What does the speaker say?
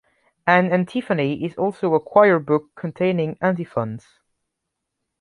An antiphony is also a choir-book containing antiphons.